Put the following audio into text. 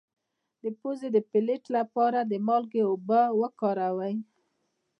د پوزې د پولیت لپاره د مالګې اوبه وکاروئ